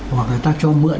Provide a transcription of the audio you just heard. hoặc người ta cho mượn